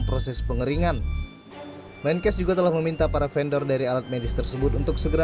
proses pengeringan menkes juga telah meminta para vendor dari alat medis tersebut untuk segera